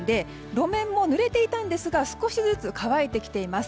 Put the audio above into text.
路面もぬれていたんですが少しずつ乾いてきています。